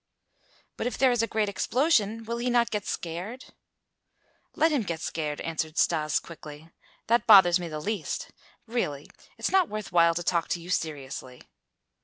"But if there is a great explosion, will he not get scared?" "Let him get scared," answered Stas quickly. "That bothers me the least. Really, it is not worth while to talk to you seriously."